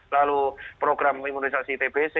lalu program imunisasi tbc dan kawan kawan